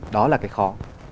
đó là cái khó